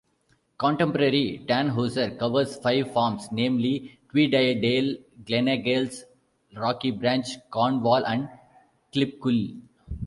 Contemporary Dannhauser covers five farms, namely Tweediedale, Gleneagles, Rocky Branch, Cornwall and Klipkuil.